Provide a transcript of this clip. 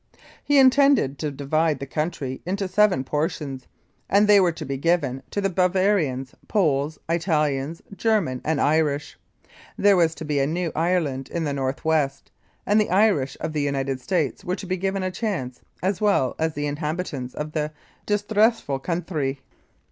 He intended to divide the country into seven por tions, and they were to be given to the Bavarians, Poles, Italians, German and Irish. There was to be a new Ireland in the North West, and the Irish of the United States were to be given a chance, as well as the inhabitants of the "disthressful counthry."